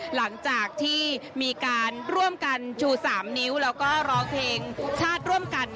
หลังจากที่มีการร่วมกันชู๓นิ้วแล้วก็ร้องเพลงชาติร่วมกัน